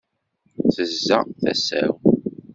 Tezza tasa-w.